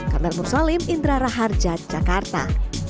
karnal musalim indra raharja jakarta